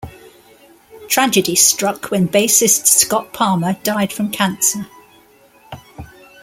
Tragedy struck when bassist Scott Palmer died from cancer.